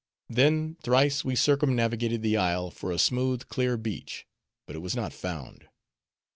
Then thrice we circumnavigated the isle for a smooth, clear beach; but it was not found.